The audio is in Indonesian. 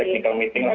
technical meeting lah